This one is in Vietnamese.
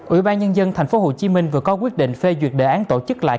ủy ban nhân dân tp hcm vừa có quyết định phê duyệt đề án tổ chức lại